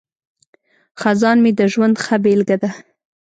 خزان مې د ژوند ښه بیلګه ده.